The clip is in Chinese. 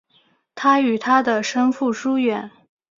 他与他的生父疏远。